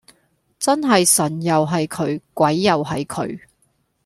真係神又係佢鬼又係佢